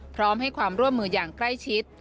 พร้อมให้ความร่วมมืออย่างใกล้ชิด